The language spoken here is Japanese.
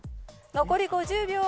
残り５０秒。